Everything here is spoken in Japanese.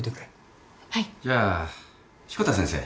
じゃあ志子田先生。